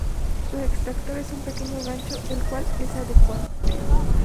Su extractor es un pequeño gancho, el cual es adecuado.